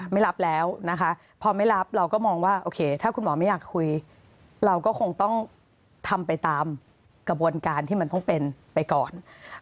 ไม่รับแล้วนะคะพอไม่รับเราก็มองว่าโอเคถ้าคุณหมอไม่อยากคุยเราก็คงต้องทำไปตามกระบวนการที่มันต้องเป็นไปก่อน